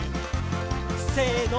せの。